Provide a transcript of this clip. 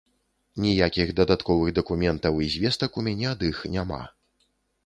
Ніякіх дадатковых дакументаў і звестак у мяне ад іх няма.